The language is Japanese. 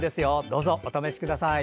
どうぞお試しください。